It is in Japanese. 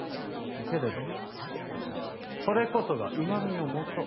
けれどそれこそがうまみのもと。